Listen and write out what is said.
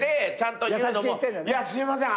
「いやすいません